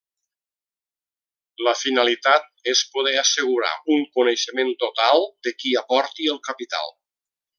La finalitat és poder assegurar un coneixement total de qui aporti el capital.